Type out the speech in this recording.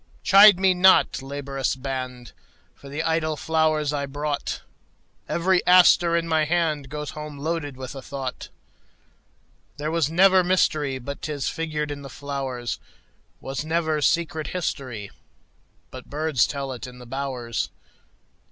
Chide me not, laborious band, For the idle flowers I brought; Every aster in my handGoes home loaded with a thought. There was never mysteryBut 'tis figured in the flowers; SWas never secret historyBut birds tell it in the bowers.